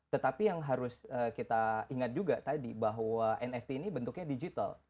tetapi yang harus kita ingat juga tadi bahwa nft ini bentuknya digital